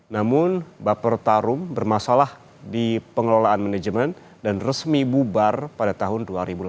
namun baper tarum bermasalah di pengelolaan manajemen dan resmi bubar pada tahun dua ribu delapan belas